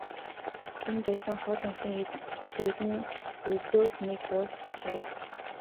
Тэнд байсан хоол хүнсний зүйл нь ердөө л нэг уут цай.